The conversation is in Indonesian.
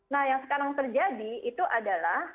nah yang sekarang terjadi itu adalah